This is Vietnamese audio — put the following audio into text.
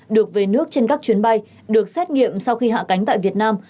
được về nước trên các chuyến bay được xét nghiệm sau khi hạ cánh tại việt nam